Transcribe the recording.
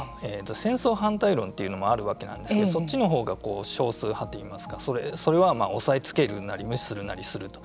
戦争反対論というのもあるわけなんですけどそっちのほうが少数派といいますかそれは抑えつけるなり無視するなりすると。